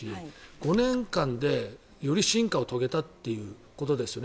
５年間で、より進化を遂げたということですよね。